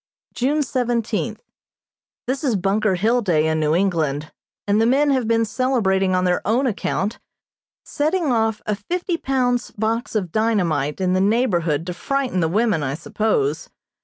June seventeenth: This is Bunker Hill Day in New England, and the men have been celebrating on their own account, setting off a fifty pounds box of dynamite in the neighborhood to frighten the women, I suppose.